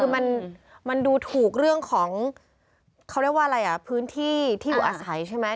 คือมันดูถูกเรื่องของเขาเรียกว่าอะไรอ่ะพื้นที่ที่อยู่อาศัยใช่ไหม